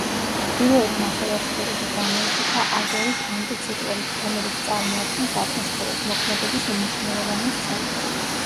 ჩრდილოეთ ნახევარსფეროში გამოიყოფა აზორის ანტიციკლონი, რომელიც წარმოადგენს ატმოსფეროს მოქმედების უმნიშვნელოვანეს ცენტრს.